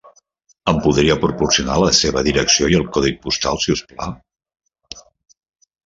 Em podria proporcionar la seva direcció i el codi postal, si us plau?